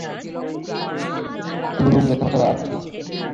শুধু লোক দেখানো ছাড়া আর কিছু না।